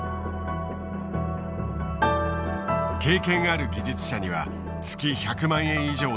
経験ある技術者には月１００万円以上の給料も提示。